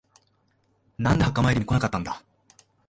なんで墓参りに来なかったんだ。